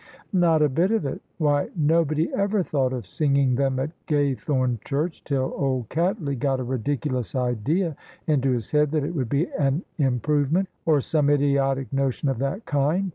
" Not a bit of it ! Why, nobody ever thought of singing them at Gaythorne Church till old Cattley got a ridiculous idea into his head that it would be an improvement, or some idiotic notion of that kind.